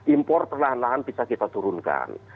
impor perlahan lahan bisa kita turunkan